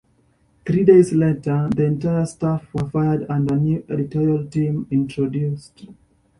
Three days later the entire staff were fired and a new editorial team introduced.